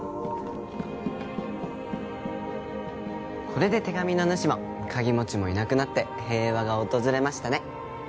これで手紙の主も鍵持ちもいなくなって平和が訪れましたね。